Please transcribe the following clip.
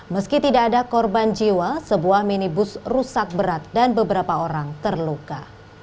meski tidak ada korban jiwa sebuah minibus rusak berat dan beberapa orang terluka